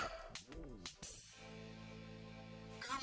apakah ini idean fear